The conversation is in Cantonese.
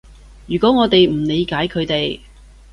如果我哋唔理解佢哋